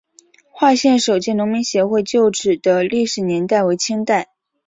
化县首届农民协会旧址的历史年代为清代。